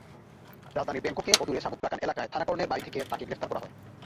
রাজধানী ব্যাংককের অদূরে সামুত প্রাকান এলাকায় থানাকর্নের বাড়ি থেকে তাঁকে গ্রেপ্তার করা হয়।